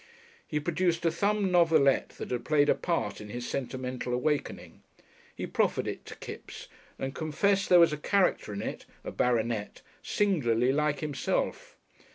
He produced a thumbed novelette that had played a part in his sentimental awakening; he proffered it to Kipps, and confessed there was a character in it, a baronet, singularly like himself.